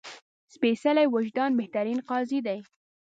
سپېڅلی وجدان بهترین قاضي ده